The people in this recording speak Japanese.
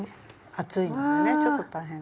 厚いのでねちょっと大変。